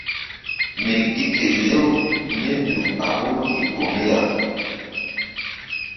Mi gi kelew mí nzuk a ɓoruri ko mi ya.